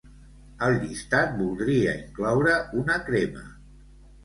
Al llistat voldria incloure una crema.